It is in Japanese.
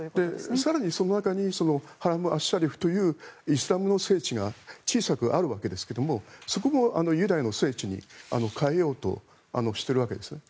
更にその中にハラム・アッシャリーフというイスラムの聖地が小さくあるわけですがそこもユダヤの聖地に変えようとしているわけです。